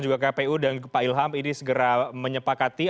semoga kang saan pemerintah dpr juga kpu dan pak ilham ini segera menyepakati